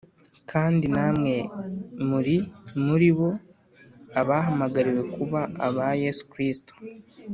kandi namwe muri muri bo, abahamagariwe kuba aba Yesu Kristo,